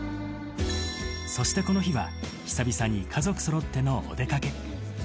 そしてこの日は、久々に家族そろってのお出かけ。